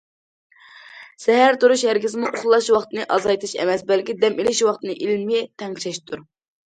سەھەر تۇرۇش ھەرگىزمۇ ئۇخلاش ۋاقتىنى ئازايتىش ئەمەس، بەلكى دەم ئېلىش ۋاقتىنى ئىلمىي تەڭشەشتۇر.